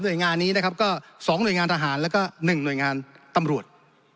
โดยงานนี้นะครับก็๒หน่วยงานทหารแล้วก็๑หน่วยงานตำรวจ